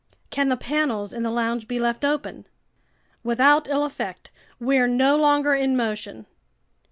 "Can the panels in the lounge be left open?" "Without ill effect. We're no longer in motion."